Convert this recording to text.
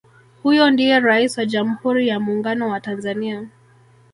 Huyo ndiye Rais wa jamhuri ya Muungano wa Tanzania